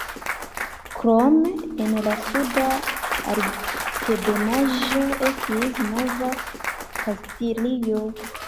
Krome, en la Suda Altebenaĵo estis Nova Kastilio.